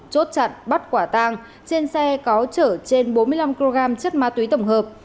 chốt chặn bắt quả tang trên xe có chở trên bốn mươi năm kg chất ma túy tổng hợp